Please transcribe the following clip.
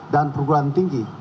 dan perguruan tinggi